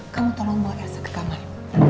kamu tolong bawa esa ke kamar